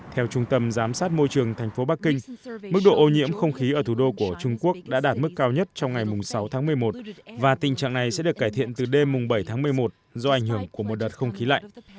theo trung tâm giám sát môi trường thành phố bắc kinh mức độ ô nhiễm không khí ở thủ đô của trung quốc đã đạt mức cao nhất trong ngày sáu tháng một mươi một và tình trạng này sẽ được cải thiện từ đêm bảy tháng một mươi một do ảnh hưởng của một đợt không khí lạnh